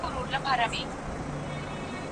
دا زموږ انحصاري ویاړ دی